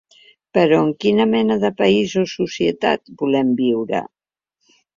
Però en quina mena de país o societat volen viure?